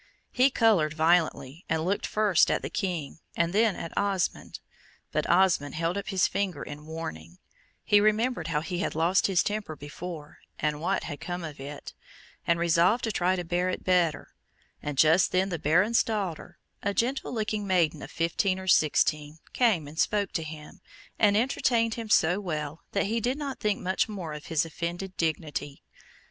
He coloured violently, and looked first at the King, and then at Osmond, but Osmond held up his finger in warning; he remembered how he had lost his temper before, and what had come of it, and resolved to try to bear it better; and just then the Baron's daughter, a gentle looking maiden of fifteen or sixteen, came and spoke to him, and entertained him so well, that he did not think much more of his offended dignity.